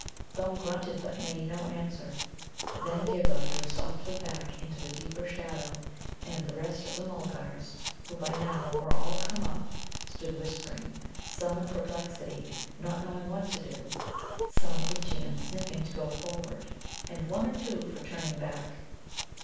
Thumb grunted, but made no answer. Then Ghibba drew softly back into the deeper shadow, and the rest of the Mulgars, who by now were all come up, stood whispering, some in perplexity, not knowing what to do; some itching and sniffing to go forward, and one or two for turning back.